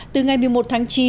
từ ngày một mươi một tháng chín